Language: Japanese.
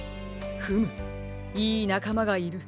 フムいいなかまがいる。